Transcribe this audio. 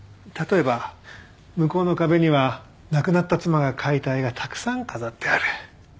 例えば向こうの壁には亡くなった妻が描いた絵がたくさん飾ってある。